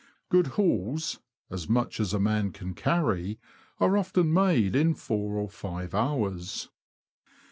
Good hauls (as much as a man can carry) are often made in four or five hours.